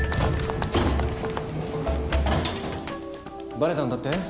バレたんだって？